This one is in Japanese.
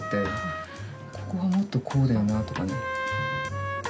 ここはもっとこうだよなとかね。